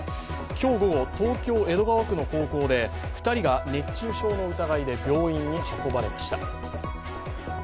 今日午後、東京・江戸川区の高校で２人が熱中症の疑いで病院に運ばれました。